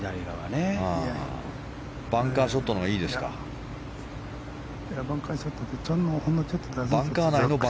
バンカーショットのほうがいいですか。